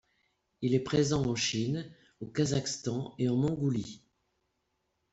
Il est présent en Chine, au Kazakhstan et en Mongolie.